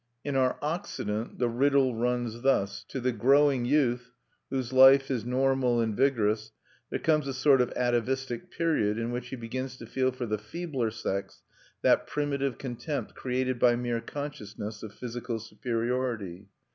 In our Occident the riddle runs thus. To the growing youth, whose life is normal and vigorous, there comes a sort of atavistic period in which he begins to feel for the feebler sex that primitive contempt created by mere consciousness of physical superiority.